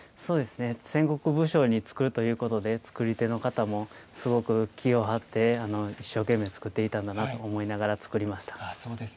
戦国武将に作るということで、作り手の方もすごく気を張って、一生懸命作っていたんだなと思いそうですね。